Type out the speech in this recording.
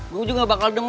gue juga gak bakal demen